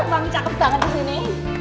wangi cakep banget di sini